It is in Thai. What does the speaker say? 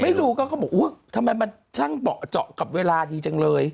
ไม่รู้ก็เขาบอกทำไมสร้างพ่อเจาะกับเวลานี่จะเลย